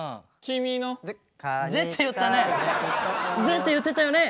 「ぜ」って言ったね！